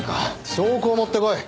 証拠を持ってこい。